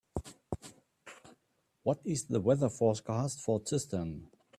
What is the weather forecast for Cistern